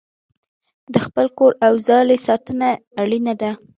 د خپل کور او ځالې ساتنه اړینه ده.